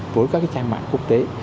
với các cái trang mạng quốc tế